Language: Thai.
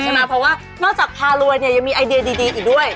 เพราะว่านอกจากพารวยเนี่ยยังมีไอเดียดีอีกด้วย